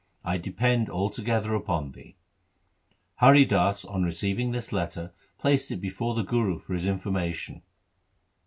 I depend altogether upon thee.' Hari Das on receiving this letter placed it before the Guru for his informa tion.